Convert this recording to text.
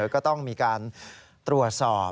ก็ต้องมีการตรวจสอบ